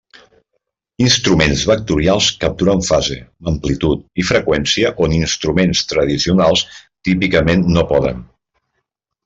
Instruments vectorials capturen fase, amplitud i freqüència on instruments tradicionals típicament no poden.